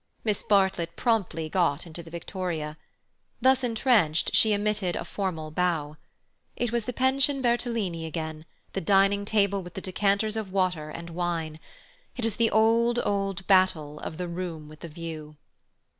Miss Bartlett promptly got into the victoria. Thus entrenched, she emitted a formal bow. It was the pension Bertolini again, the dining table with the decanters of water and wine. It was the old, old battle of the room with the view.